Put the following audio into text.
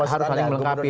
harus saling melengkapi